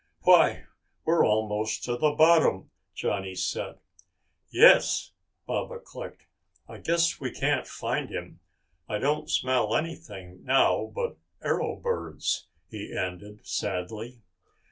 "Why, we're almost to the bottom," Johnny said. "Yes," Baba clicked. "I guess we can't find him. I don't smell anything now but arrow birds," he ended sadly.